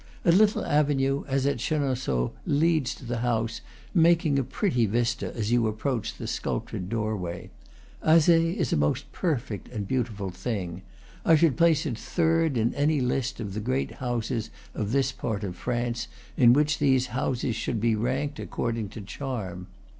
A little avenue, as at Chenonceaux, leads to the house, making a pretty vista as you approach the sculptured doorway. Azay is a most perfect and beautiful thing; I should place it third in any list of the great houses of this part of France in which these houses should be ranked according to charm.